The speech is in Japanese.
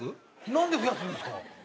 なんで増やすんですか？